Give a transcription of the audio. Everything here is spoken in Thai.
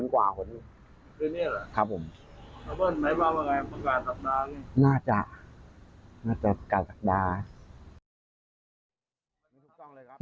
น่าจะน่าจะประกาศสัปดาห์